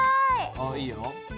おっいいよ。